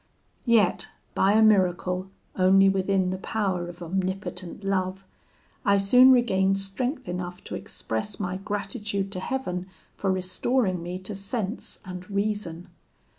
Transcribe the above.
Yet, by a miracle, only within the power of omnipotent love, I soon regained strength enough to express my gratitude to Heaven for restoring me to sense and reason.